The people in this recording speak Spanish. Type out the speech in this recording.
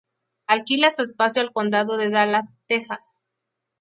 Alquila su espacio al Condado de Dallas, Texas.